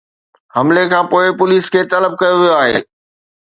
حملي کانپوءِ پوليس کي طلب ڪيو ويو آهي